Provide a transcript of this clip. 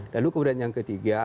lalu kemudian yang ketiga